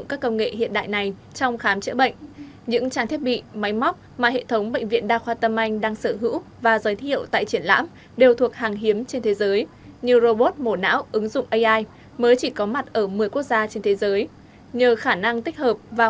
cả ba công nghệ này đều được hỗ trợ bởi ứng dụng trí tuệ nhân tạo ai